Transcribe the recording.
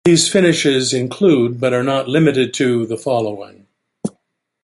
These finishes include, but are not limited to, the following.